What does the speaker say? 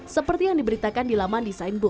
seperti yang diberitakan di laman design book